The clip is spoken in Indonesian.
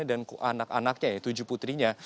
dan anak anaknya tujuh putrinya